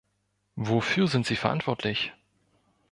Wofür sind Sie verantwortlich?